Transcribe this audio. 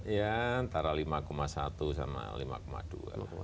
ya antara lima satu sama lima dua